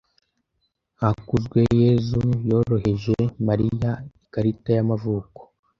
Hakuzweyezu yohereje Mariya ikarita y'amavuko.